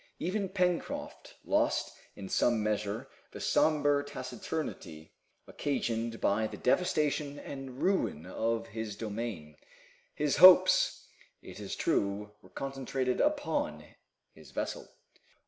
Even Pencroft lost in some measure the somber taciturnity occasioned by the devastation and ruin of his domain. His hopes, it is true, were concentrated upon his vessel.